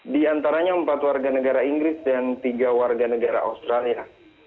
di antaranya empat warga negara inggris dan tiga warga negara australia